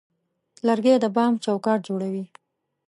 لرګی د بام چوکاټ جوړوي.